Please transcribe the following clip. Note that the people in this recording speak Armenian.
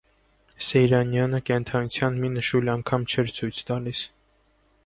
Սեյրանյանը կենդանության մի նշույլ անգամ չէր ցույց տալիս: